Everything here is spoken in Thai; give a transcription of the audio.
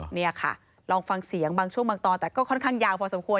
นี่ค่ะลองฟังเสียงบางช่วงบางตอนแต่ก็ค่อนข้างยาวพอสมควร